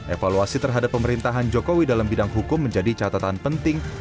evaluasi terhadap pemerintahan jokowi dalam bidang hukum menjadi catatan penting